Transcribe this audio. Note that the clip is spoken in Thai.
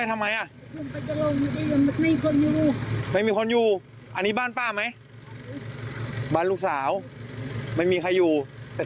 ส่งมาคุณป้าจากบ้าน